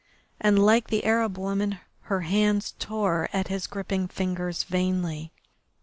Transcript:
And like the Arab woman her hands tore at his gripping fingers vainly.